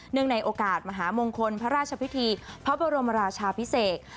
ในโอกาสมหามงคลพระราชพิธีพระบรมราชาพิเศษ